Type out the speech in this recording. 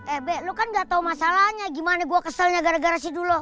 eh be lo kan gak tau masalahnya gimana gue keselnya gara gara si dulo